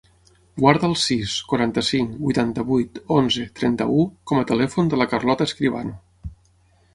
Guarda el sis, quaranta-cinc, vuitanta-vuit, onze, trenta-u com a telèfon de la Carlota Escribano.